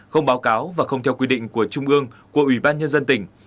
không báo cáo và không theo quy định của trung ương của ủy ban nhân dân tỉnh